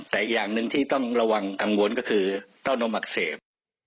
แต่อย่างหนึ่งที่ต้องระวังกังวลก็คือเต้านมอักเสบ